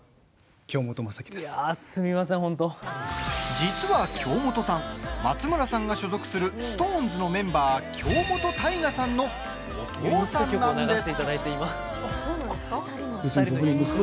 実は京本さん松村さんが所属するＳｉｘＴＯＮＥＳのメンバー京本大我さんのお父さんなんです。